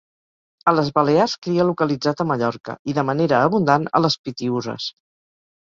A les Balears cria localitzat a Mallorca i, de manera abundant, a les Pitiüses.